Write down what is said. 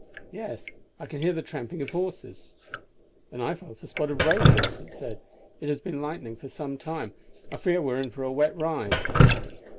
Yes, I can hear the tramping of horses." "And I felt a spot of rain," Vincent said. "It has been lightning for some time. I fear we are in for a wet ride."